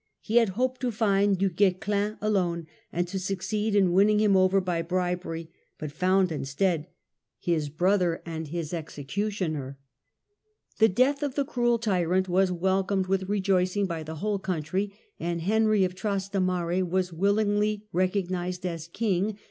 He had hoped to find Du GuescHn alone and to succeed in win ning him over by bribery, but found instead " his brother and his executioner ". The death of the cruel tyrant was welcomed with re Henry il., joicing by the whole country, and Henry of Trastamare was willingly recognised as King.